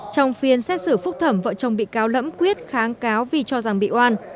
trong phiên xét xử phúc thẩm vợ chồng bị cáo lẫm quyết kháng cáo vì cho rằng bị oan